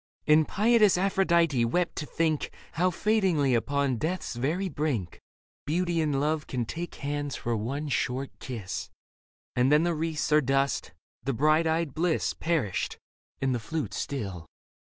And pietous Aphrodite wept to think How fadingly upon death's very brink Beauty and love take hands for one short kiss — And then the wreaths are dust, the bright eyed bliss Perished, and the flute still.